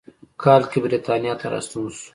کال کې د برېټانیا ته راستون شو.